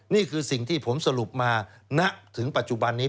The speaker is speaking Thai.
นี่คือสิ่งที่ผมสรุปมาณถึงปัจจุบันนี้